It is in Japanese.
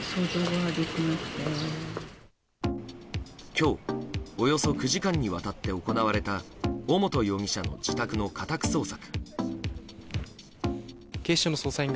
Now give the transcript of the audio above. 今日、およそ９時間にわたって行われた尾本容疑者の自宅の家宅捜索。